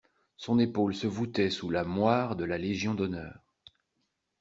Son épaule se voûtait sous la moire de la Légion d'honneur.